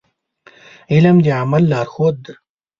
علم د عمل لارښود دی.